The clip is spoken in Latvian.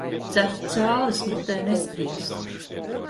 Cepts cālis mutē neskries.